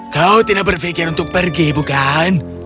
kau tidak berpikir untuk pergi bukan